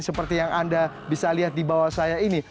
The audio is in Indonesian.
seperti yang anda bisa lihat di bawah saya ini